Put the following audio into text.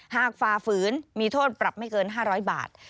ฝ่าฝืนมีโทษปรับไม่เกิน๕๐๐บาท